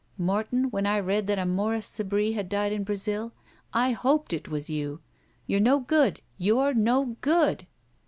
Morton, when I read that a Morris Sebree had died in Brazil, I hoped it was you! You're no good! You're no good!"